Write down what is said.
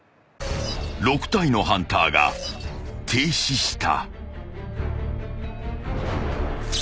［６体のハンターが停止した］